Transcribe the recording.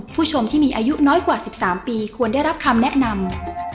ผู้ชมที่มีอายุน้อยกว่า๑๓ปีควรได้รับคำแนะนำ